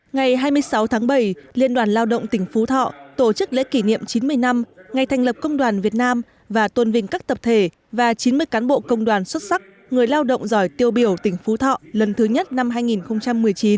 ngày hai mươi sáu tháng bảy liên đoàn lao động tỉnh phú thọ tổ chức lễ kỷ niệm chín mươi năm ngày thành lập công đoàn việt nam và tuân vinh các tập thể và chín mươi cán bộ công đoàn xuất sắc người lao động giỏi tiêu biểu tỉnh phú thọ lần thứ nhất năm hai nghìn một mươi chín